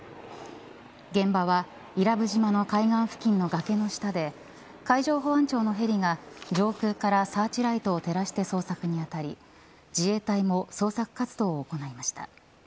現場は伊良部島の海岸付近のがけの下で海上保安庁のヘリが上空からサーチライトを照らして捜索にあたり自衛隊も捜索活動を行いました。